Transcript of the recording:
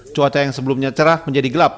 cuaca yang sebelumnya cerah menjadi gelap